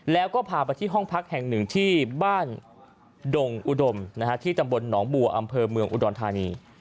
แล้วก็พาไปที่ห้องพักแห่งหนึ่งที่บ้านดงอุดมที่ตำบลหนองบัวอำเภอเมืองอุดรธานี